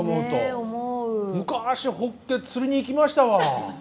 昔ホッケ釣りに行きましたわ。